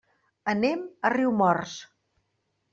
Anem a Riumors.